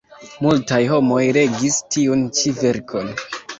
Multaj homoj legis tiun ĉi verkon.